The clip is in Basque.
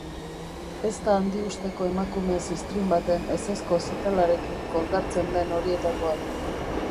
Ez da handiusteko emakume ziztrin baten ezezko zitalarekin koldartzen den horietakoa.